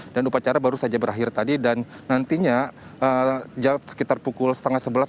dan upacara baru saja berakhir tadi dan nantinya sekitar pukul setengah sebelas